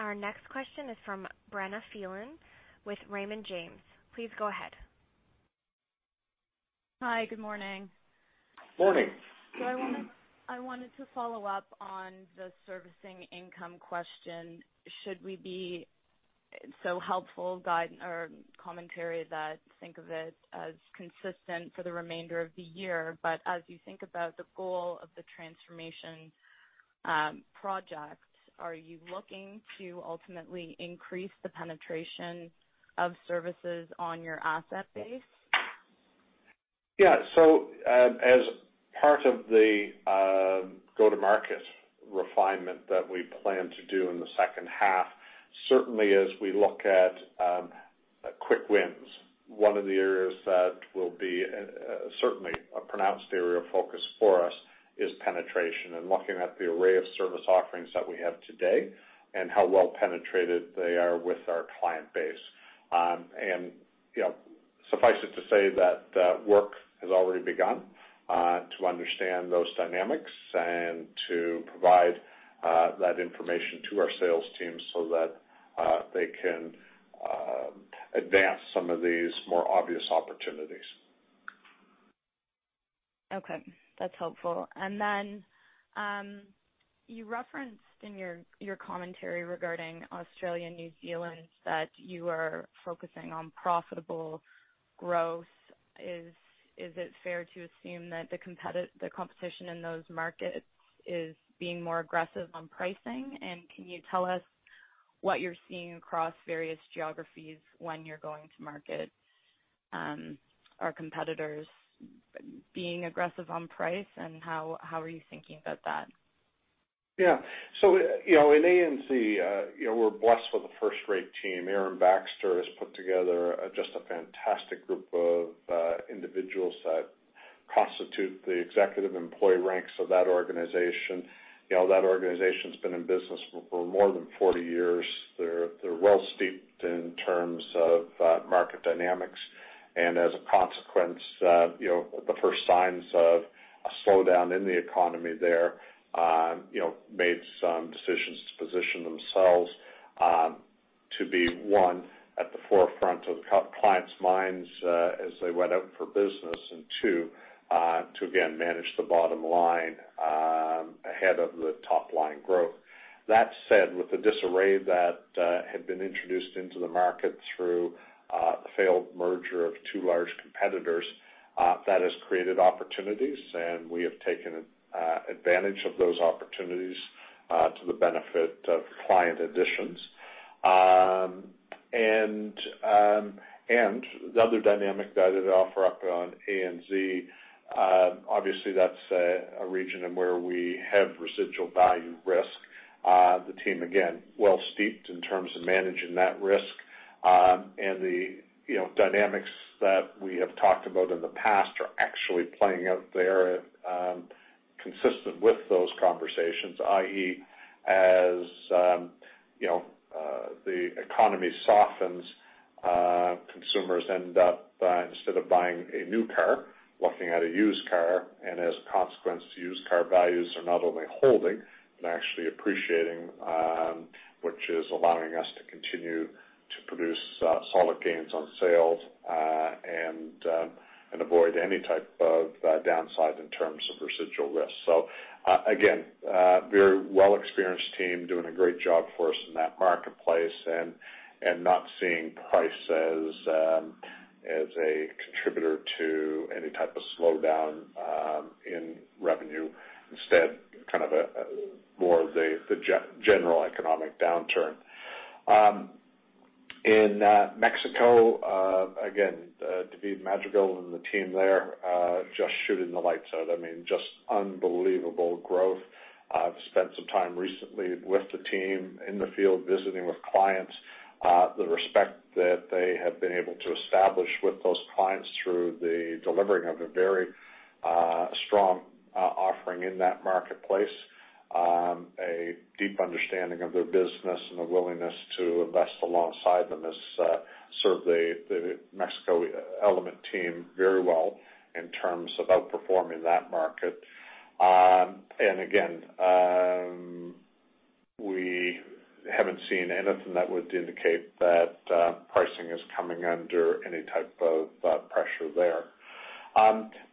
Our next question is from Brenna Phelan with Raymond James. Please go ahead. Hi. Good morning. Morning. I wanted to follow up on the servicing income question. Should we be so helpful guide or commentary that think of it as consistent for the remainder of the year? As you think about the goal of the transformation project, are you looking to ultimately increase the penetration of services on your asset base? Yeah. As part of the go-to-market refinement that we plan to do in the second half, certainly as we look at quick wins, one of the areas that will be certainly a pronounced area of focus for us is penetration and looking at the array of service offerings that we have today and how well penetrated they are with our client base. Suffice it to say that that work has already begun to understand those dynamics and to provide that information to our sales teams so that they can advance some of these more obvious opportunities. Okay. That's helpful. Then, you referenced in your commentary regarding Australia and New Zealand that you are focusing on profitable growth. Is it fair to assume that the competition in those markets is being more aggressive on pricing? And can you tell us what you're seeing across various geographies when you're going to market? Are competitors being aggressive on price, and how are you thinking about that? In ANZ, we're blessed with a first-rate team. Aaron Baxter has put together just a fantastic group of individuals that constitute the executive employee ranks of that organization. That organization's been in business for more than 40 years. They're well steeped in terms of market dynamics, and as a consequence, at the first signs of a slowdown in the economy there, made some decisions to position themselves to be, one, at the forefront of clients' minds as they went out for business. Two, to again, manage the bottom line ahead of the top-line growth. That said, with the disarray that had been introduced into the market through a failed merger of two large competitors, that has created opportunities, and we have taken advantage of those opportunities to the benefit of client additions. The other dynamic that I'd offer up on ANZ, obviously that's a region in where we have residual value risk. The team, again, well steeped in terms of managing that risk. The dynamics that we have talked about in the past are actually playing out there consistent with those conversations, i.e., as the economy softens, consumers end up, instead of buying a new car, looking at a used car, and as a consequence, used car values are not only holding, but actually appreciating, which is allowing us to continue to produce solid gains on sales, and avoid any type of downside in terms of residual risk. Again, very well experienced team doing a great job for us in that marketplace and not seeing price as a contributor to any type of slowdown in revenue. Instead, kind of more of the general economic downturn. In Mexico, again, David Madrigal and the team there are just shooting the lights out. I mean, just unbelievable growth. I've spent some time recently with the team in the field visiting with clients. The respect that they have been able to establish with those clients through the delivering of a very strong offering in that marketplace, a deep understanding of their business, and a willingness to invest alongside them has served the Mexico Element team very well in terms of outperforming that market. Again, we haven't seen anything that would indicate that pricing is coming under any type of pressure there.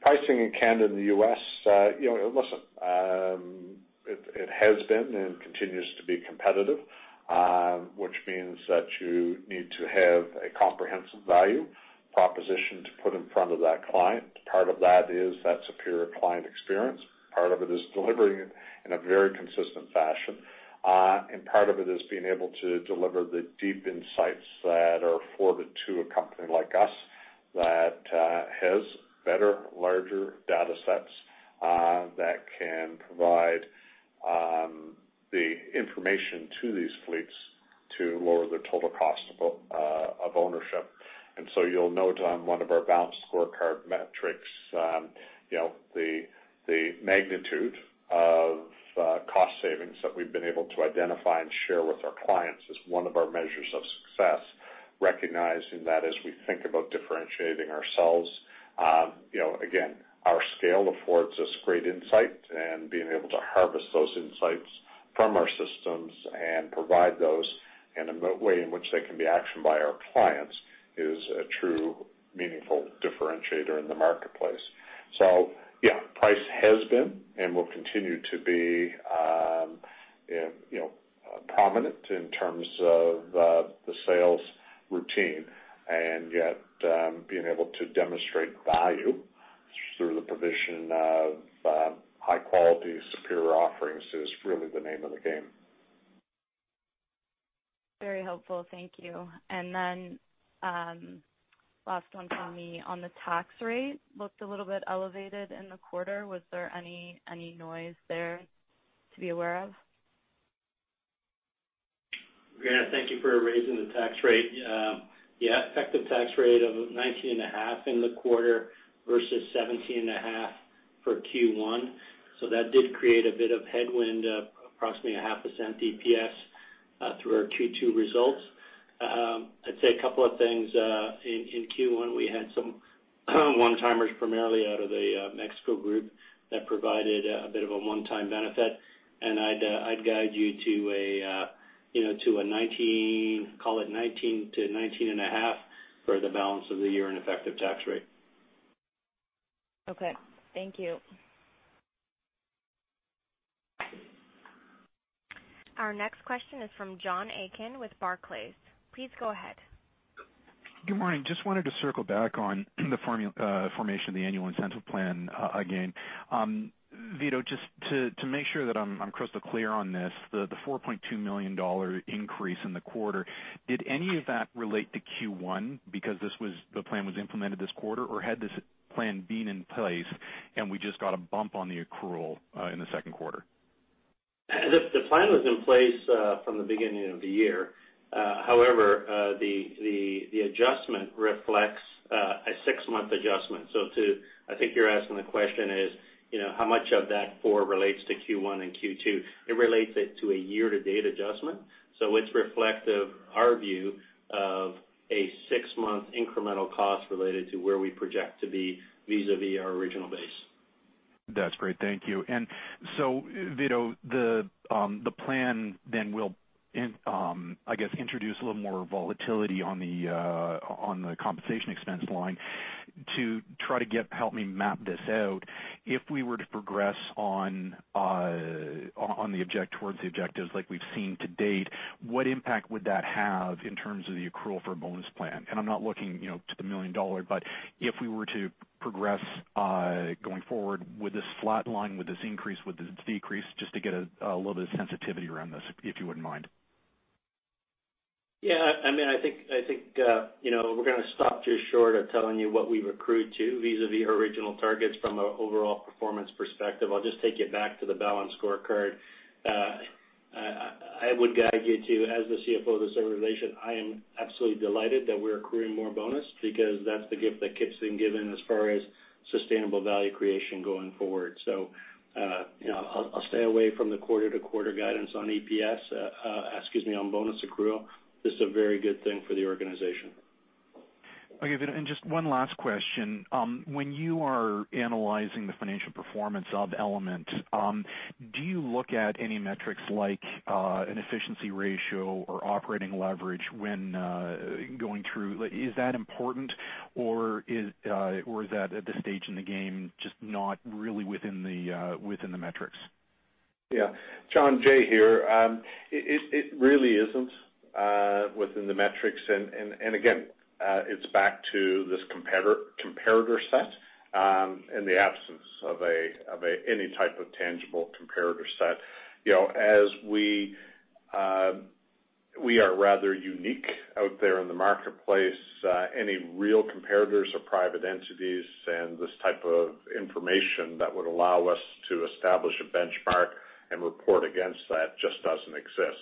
Pricing in Canada and the U.S., listen, it has been and continues to be competitive, which means that you need to have a comprehensive value proposition to put in front of that client. Part of that is that superior client experience. Part of it is delivering it in a very consistent fashion. Part of it is being able to deliver the deep insights that are afforded to a company like us that has better, larger data sets that can provide the information to these fleets to lower their total cost of ownership. You'll note on one of our Balanced Scorecard metrics, the magnitude of cost savings that we've been able to identify and share with our clients is one of our measures of success, recognizing that as we think about differentiating ourselves. Again, our scale affords us great insight, and being able to harvest those insights from our systems and provide those in a way in which they can be actioned by our clients is a true, meaningful differentiator in the marketplace. Yeah, price has been and will continue to be prominent in terms of the sales routine, and yet being able to demonstrate value through the provision of high quality, superior offerings is really the name of the game. Very helpful. Thank you. Last one from me. On the tax rate, looked a little bit elevated in the quarter. Was there any noise there to be aware of? Brenna, thank you for raising the tax rate. Effective tax rate of 19.5% in the quarter versus 17.5% for Q1. That did create a bit of headwind, approximately 0.5% EPS, through our Q2 results. I'd say a couple of things. In Q1, we had some one-timers, primarily out of the Mexico group, that provided a bit of a one-time benefit. I'd guide you to a 19%-19.5% for the balance of the year in effective tax rate. Okay. Thank you. Our next question is from John Aiken with Barclays. Please go ahead. Good morning. Just wanted to circle back on the formation of the annual incentive plan again. Vito, just to make sure that I'm crystal clear on this, the 4.2 million dollar increase in the quarter, did any of that relate to Q1 because the plan was implemented this quarter, or had this plan been in place, and we just got a bump on the accrual in the second quarter? The plan was in place from the beginning of the year. However, the adjustment reflects a six-month adjustment. I think you're asking the question is, how much of that 4 relates to Q1 and Q2? It relates it to a year-to-date adjustment. It's reflective, our view, of a six-month incremental cost related to where we project to be vis-à-vis our original base. That's great. Thank you. Vito, the plan then will, I guess, introduce a little more volatility on the compensation expense line. To try to help me map this out, if we were to progress towards the objectives like we've seen to date, what impact would that have in terms of the accrual for a bonus plan? I'm not looking to the million dollar, but if we were to progress going forward, would this flat line, would this increase, would this decrease? Just to get a little bit of sensitivity around this, if you wouldn't mind. Yeah. I think we're going to stop just short of telling you what we recruit to vis-à-vis our original targets from an overall performance perspective. I'll just take you back to the Balanced Scorecard. I would guide you to, as the CFO of this organization, I am absolutely delighted that we're accruing more bonus because that's the gift that keeps on giving as far as sustainable value creation going forward. I'll stay away from the quarter-to-quarter guidance on EPS, excuse me, on bonus accrual. This is a very good thing for the organization. Okay, Vito, just one last question. When you are analyzing the financial performance of Element, do you look at any metrics like an efficiency ratio or operating leverage when going through? Is that important, or is that at this stage in the game, just not really within the metrics? Yeah. John, Jay here. It really isn't within the metrics. Again, it's back to this comparator set, in the absence of any type of tangible comparator set. We are rather unique out there in the marketplace. Any real comparators are private entities, and this type of information that would allow us to establish a benchmark and report against that just doesn't exist.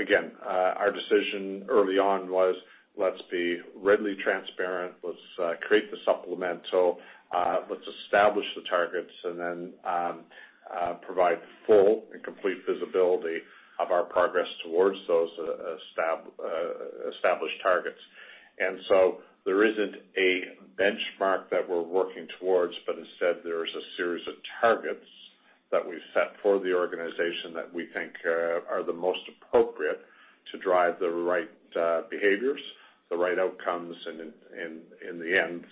Again, our decision early on was, let's be readily transparent, let's create the supplemental, let's establish the targets, and then provide full and complete visibility of our progress towards those established targets. There isn't a benchmark that we're working towards, but instead, there is a series of targets that we've set for the organization that we think are the most appropriate to drive the right behaviors, the right outcomes, and in the end,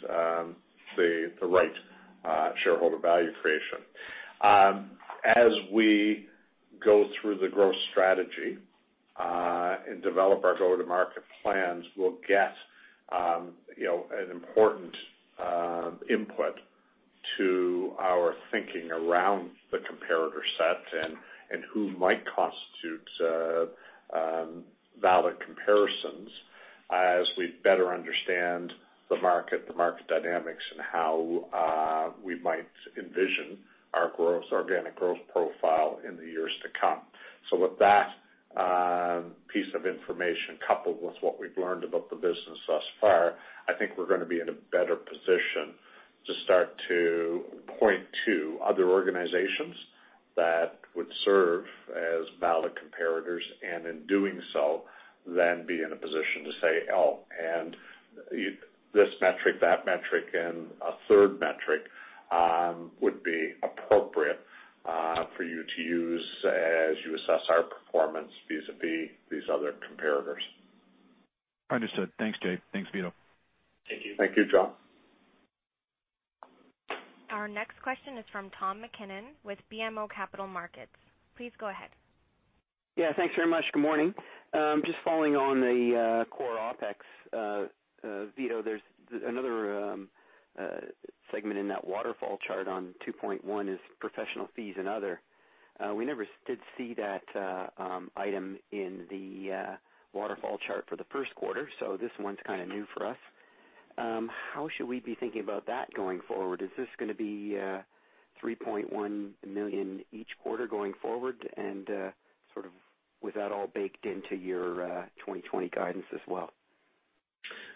the right shareholder value creation. As we go through the growth strategy and develop our go-to-market plans, we'll get an important input to our thinking around the comparator set and who might constitute valid comparisons as we better understand the market, the market dynamics, and how we might envision our organic growth profile in the years to come. With that piece of information, coupled with what we've learned about the business thus far, I think we're going to be in a better position to start to point to other organizations that would serve as valid comparators, and in doing so, then be in a position to say, "Oh, and this metric, that metric, and a third metric would be appropriate for you to use as you assess our performance vis-a-vis these other comparators. Understood. Thanks, Jay. Thanks, Vito. Thank you. Thank you, John. Our next question is from Tom MacKinnon with BMO Capital Markets. Please go ahead. Yeah. Thanks very much. Good morning. Just following on the core OpEx. Vito, there's another segment in that waterfall chart on 2.1 is professional fees and other. We never did see that item in the waterfall chart for the first quarter. This one's kind of new for us. How should we be thinking about that going forward? Is this going to be 3.1 million each quarter going forward? Sort of with that all baked into your 2020 guidance as well?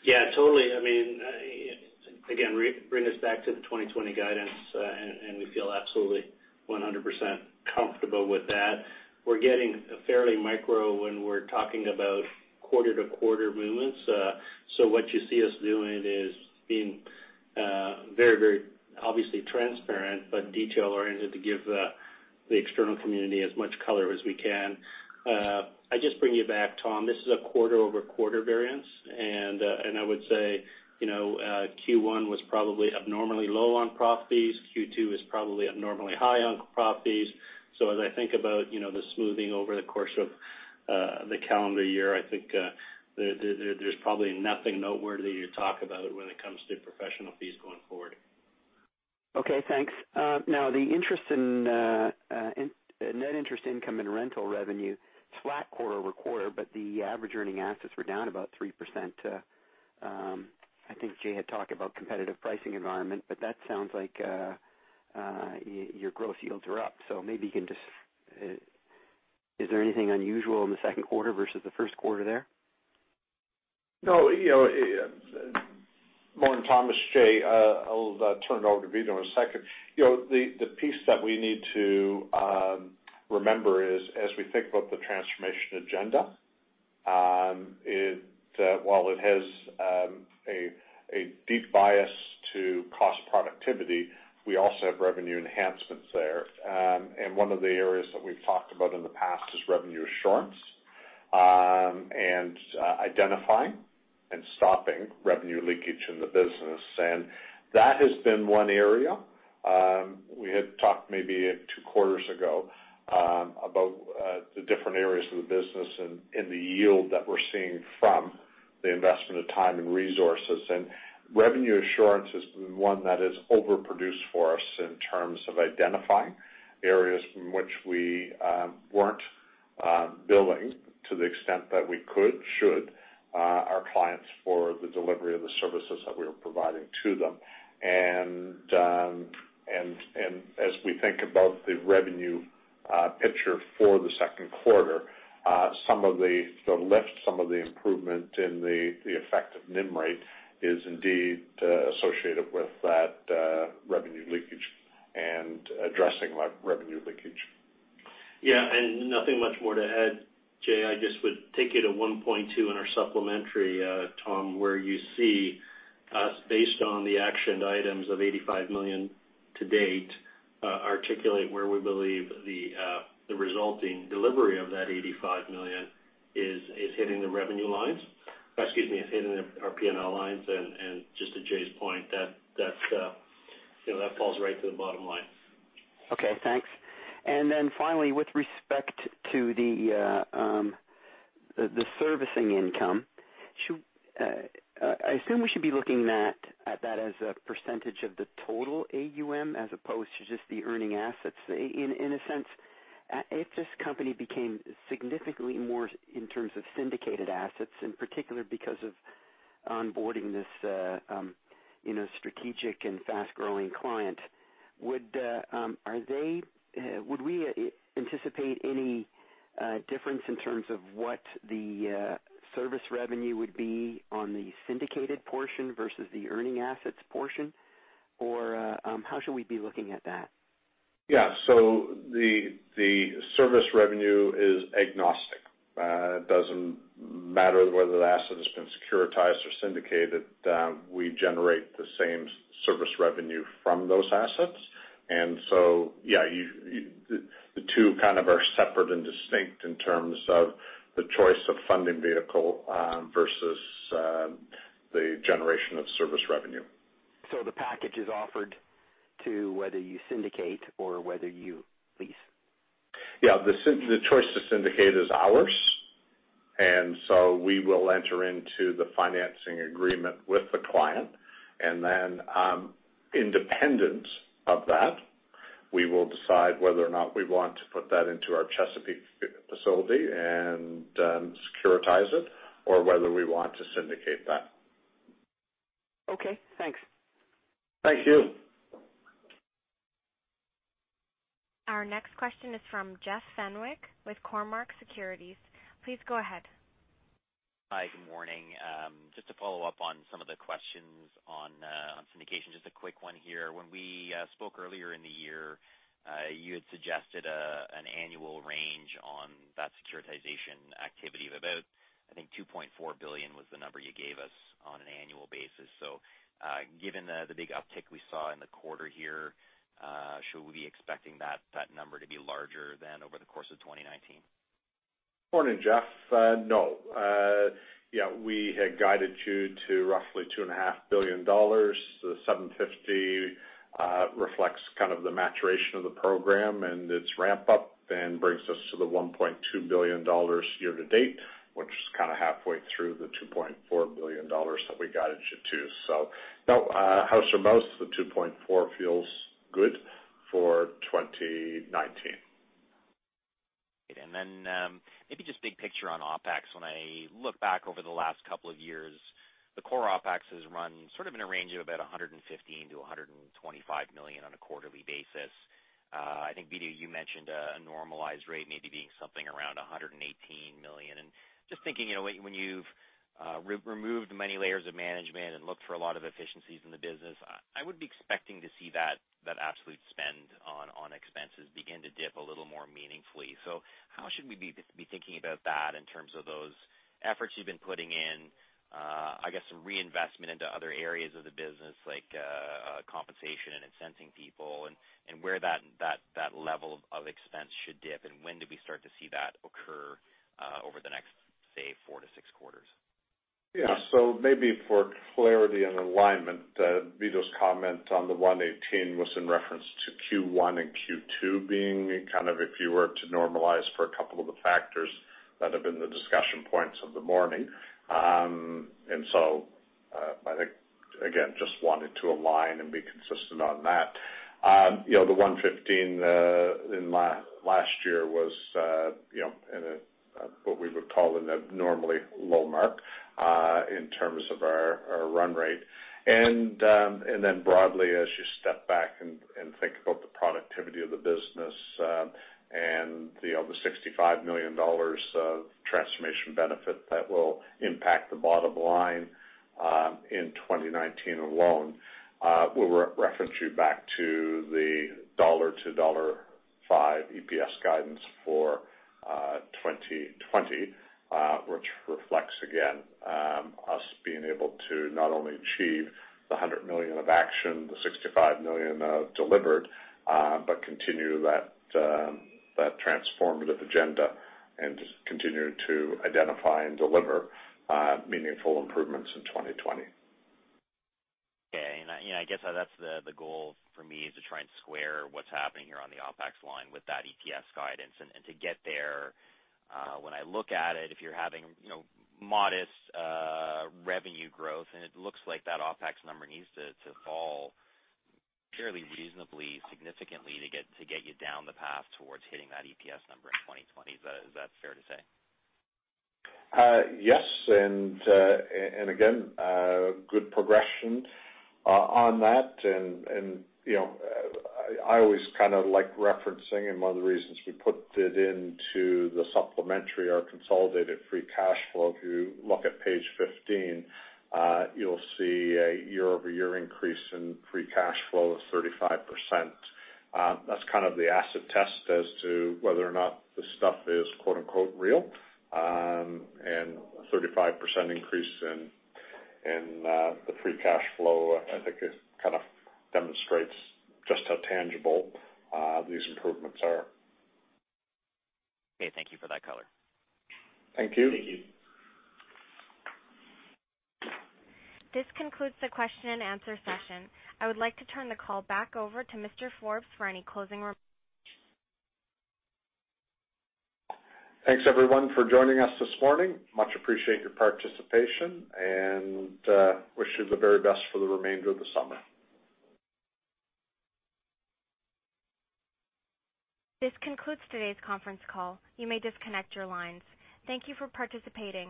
Yeah, totally. Again, bring us back to the 2020 guidance, and we feel absolutely 100% comfortable with that. We're getting fairly micro when we're talking about quarter-to-quarter movements. What you see us doing is being very obviously transparent, but detail-oriented to give the external community as much color as we can. I just bring you back, Tom. This is a quarter-over-quarter variance, and I would say Q1 was probably abnormally low on prop fees. Q2 is probably abnormally high on prop fees. As I think about the smoothing over the course of the calendar year, I think there's probably nothing noteworthy to talk about when it comes to professional fees going forward. Okay, thanks. The net interest income and rental revenue, flat quarter-over-quarter, but the average earning assets were down about 3%. I think Jay had talked about competitive pricing environment, but that sounds like your growth yields are up. Is there anything unusual in the second quarter versus the first quarter there? No. Morning, Thomas. Jay. I'll turn it over to Vito in a second. The piece that we need to remember is, as we think about the transformation agenda while it has a deep bias to cost productivity, we also have revenue enhancements there. And one of the areas that we've talked about in the past is revenue assurance and identifying and stopping revenue leakage in the business. And that has been one area. We had talked maybe two quarters ago about the different areas of the business and the yield that we're seeing from the investment of time and resources. And revenue assurance has been one that has overproduced for us in terms of identifying areas from which we weren't billing to the extent that we could, should our clients for the delivery of the services that we were providing to them. As we think about the revenue picture for the second quarter, some of the lift, some of the improvement in the effective NIM rate is indeed associated with that revenue leakage and addressing revenue leakage. Nothing much more to add, Jay. I just would take you to 1.2 in our supplementary, Tom, where you see us based on the action items of 85 million to date, articulate where we believe the resulting delivery of that 85 million is hitting the revenue lines. Excuse me, hitting our P&L lines. Just to Jay's point, that falls right to the bottom line. Okay, thanks. Finally, with respect to the servicing income, I assume we should be looking at that as a % of the total AUM as opposed to just the earning assets, in a sense. If this company became significantly more in terms of syndicated assets, in particular because of onboarding this strategic and fast-growing client, would we anticipate any difference in terms of what the service revenue would be on the syndicated portion versus the earning assets portion? How should we be looking at that? Yeah. The service revenue is agnostic, and it doesn't matter whether the asset has been securitized or syndicated, we generate the same service revenue from those assets. Yeah, the two kind of are separate and distinct in terms of the choice of funding vehicle versus the generation of service revenue. The package is offered to whether you syndicate or whether you lease? Yeah. The choice to syndicate is ours. We will enter into the financing agreement with the client. Independent of that, we will decide whether or not we want to put that into our Chesapeake facility and securitize it or whether we want to syndicate that. Okay, thanks. Thank you. Our next question is from Jeff Fenwick with Cormark Securities. Please go ahead. Hi. Good morning. Just to follow up on some of the questions on syndication, just a quick one here. When we spoke earlier in the year, you had suggested an annual range on that securitization activity of about, I think, 2.4 billion was the number you gave us on an annual basis. Given the big uptick we saw in the quarter here, should we be expecting that number to be larger then over the course of 2019? Morning, Jeff. No. We had guided you to roughly 2.5 billion dollars. The 750 million reflects kind of the maturation of the program and its ramp-up and brings us to the 1.2 billion dollars year to date, which is kind of halfway through the 2.4 billion dollars that we guided you to. No, the 2.4 billion feels good for 2019. Maybe just big picture on OpEx. When I look back over the last couple of years, the core OpEx has run sort of in a range of about 115 million-125 million on a quarterly basis. I think, Vito, you mentioned a normalized rate maybe being something around 118 million. Just thinking, when you've removed many layers of management and looked for a lot of efficiencies in the business, I would be expecting to see that absolute spend on expenses begin to dip a little more meaningfully. How should we be thinking about that in terms of those efforts you've been putting in, I guess, some reinvestment into other areas of the business, like compensation and incenting people, and where that level of expense should dip, and when do we start to see that occur over the next, say, four to six quarters? Maybe for clarity and alignment, Vito's comment on the 118 was in reference to Q1 and Q2 being kind of if you were to normalize for a couple of the factors that have been the discussion points of the morning. I think, again, just wanted to align and be consistent on that. The 115 in last year was what we would call an abnormally low mark in terms of our run rate. Broadly, as you step back and think about the productivity of the business and the 65 million dollars of transformation benefit that will impact the bottom line in 2019 alone, we'll reference you back to the CAD 1.00 to dollar 1.05 EPS guidance for 2020 which reflects, again, us being able to not only achieve the 100 million of action, the 65 million of delivered, but continue that transformative agenda and continue to identify and deliver meaningful improvements in 2020. Okay. I guess that's the goal for me is to try and square what's happening here on the OpEx line with that EPS guidance and to get there. When I look at it, if you're having modest revenue growth and it looks like that OpEx number needs to fall fairly reasonably significantly to get you down the path towards hitting that EPS number in 2020. Is that fair to say? Yes. Again, good progression on that. I always kind of like referencing, and one of the reasons we put it into the supplementary, our consolidated free cash flow. If you look at page 15, you'll see a year-over-year increase in free cash flow of 35%. That's kind of the acid test as to whether or not this stuff is "real." A 35% increase in the free cash flow, I think it kind of demonstrates just how tangible these improvements are. Okay. Thank you for that color. Thank you. Thank you. This concludes the question and answer session. I would like to turn the call back over to Mr. Forbes for any closing remarks. Thanks, everyone, for joining us this morning. Much appreciate your participation. Wish you the very best for the remainder of the summer. This concludes today's conference call. You may disconnect your lines. Thank you for participating.